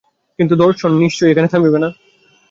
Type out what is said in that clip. কিন্তু দর্শন নিশ্চয়ই এখানে থামিবে না।